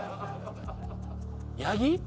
八木？